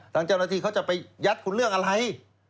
ทางเจ้าหน้าที่เขาจะไปยัดคุณเรื่องอะไร